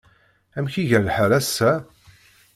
Amek iga lḥal ass-a?